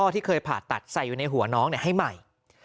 ที่เคยผ่าตัดใส่อยู่ในหัวน้องให้ใหม่